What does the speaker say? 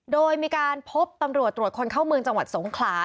โดยมีการพบตำรวจตรวจคนเข้าเมืองจังหวัดสงขลา